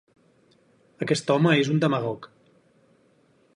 Aquest home és un demagog.